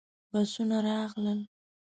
بسونه راغلل.